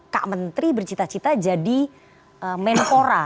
kak menteri bercita cita jadi menpora